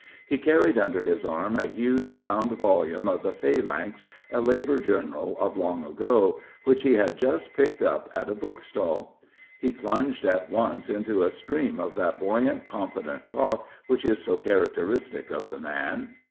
He carried under his arm a huge bound volume of the Phalanx, a Labour journal of long ago, which he had just picked up at a bookstall. He plunged at once into a stream of that buoyant, confident talk which is so characteristic of the man.